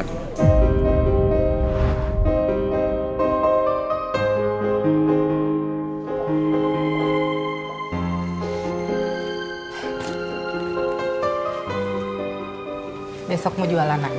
pangeran akan membuat hidupmu menjadi lebih menderita